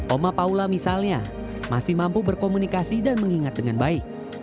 oma paula misalnya masih mampu berkomunikasi dan mengingat dengan baik